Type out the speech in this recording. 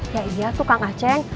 ya iya tuh kang aceh